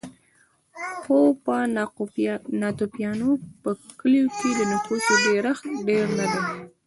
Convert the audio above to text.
خو په ناتوفیانو په کلیو کې د نفوسو ډېرښت ډېر نه دی